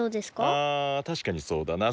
あたしかにそうだな。